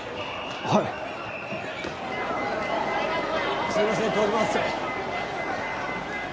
はいすいません通りますよ